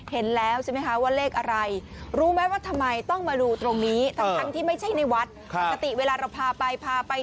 เห็นแล้วใช่ไหมคะว่าเลขอะไร